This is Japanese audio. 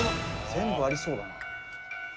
全部ありそうだな。